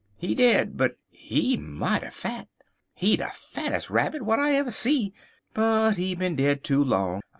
He dead, but he mighty fat. He de fattes' rabbit w'at I ever see, but he bin dead too long.